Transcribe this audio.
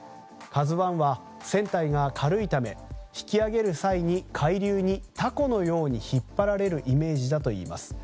「ＫＡＺＵ１」は船体が軽いため引き揚げる際に海流にたこのように引っ張られるイメージだといいます。